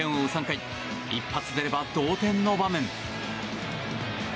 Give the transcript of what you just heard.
３回一発出れば同点の場面。